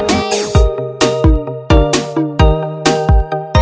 กรุงเทพค่ะ